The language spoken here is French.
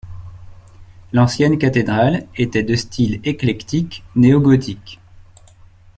L'ancienne cathédrale était de style éclectique néo-gothique.